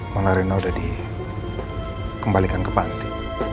malah reina udah dikembalikan ke panti